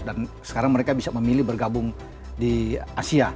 dan sekarang mereka bisa memilih bergabung di asia